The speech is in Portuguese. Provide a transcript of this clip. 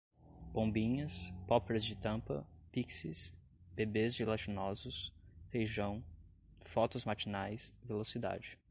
bombinhas, poppers de tampa, pixies, bebês gelatinosos, feijão, fotos matinais, velocidade